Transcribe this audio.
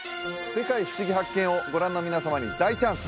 「世界ふしぎ発見！」をご覧の皆様に大チャンス！